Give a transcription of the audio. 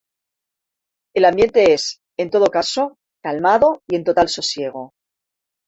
El ambiente es, en todo caso, calmado y en total sosiego.